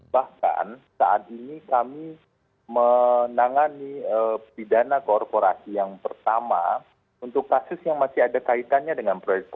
bahkan saat ini kami menangani pidana korporasi yang pertama untuk kasus yang masih ada kaitannya dengan proyek